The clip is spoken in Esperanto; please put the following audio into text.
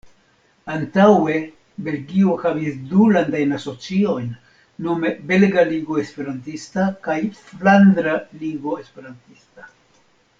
Antaŭe Belgio havis du Landajn Asociojn, nome Belga Ligo Esperantista kaj Flandra Ligo Esperantista.